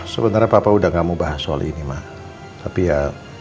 sebenarnya papa udah gak mau bahas soal ini mah tapi ya